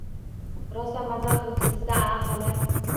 Rosa maza qilibsiz-da,a, xola